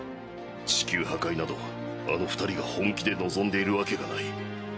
地球破壊などあの二人が本気で望んでいるわけがない。